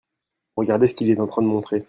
Regardez ce qu'il est en train de montrer.